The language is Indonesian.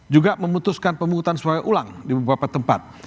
juga memutuskan pemungutan suara ulang di beberapa tempat